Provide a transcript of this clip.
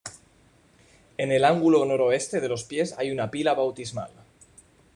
En el ángulo noroeste de los pies hay una pila bautismal.